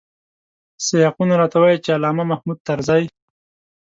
سیاقونه راته وايي چې علامه محمود طرزی.